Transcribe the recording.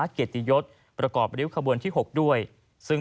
ที่มีโอกาสได้ไปชม